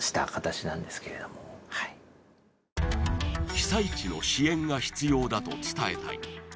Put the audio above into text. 被災地の支援が必要だと伝えたい